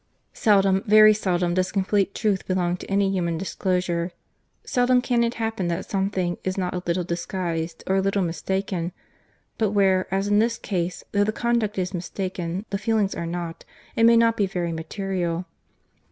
Seldom, very seldom, does complete truth belong to any human disclosure; seldom can it happen that something is not a little disguised, or a little mistaken; but where, as in this case, though the conduct is mistaken, the feelings are not, it may not be very material.